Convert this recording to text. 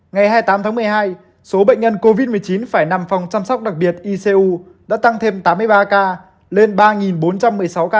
ngày hai mươi tám tháng một mươi hai số bệnh nhân covid một mươi chín phải nằm phòng chăm sóc đặc biệt icu đã tăng thêm tám mươi ba ca lên ba bốn trăm một mươi sáu ca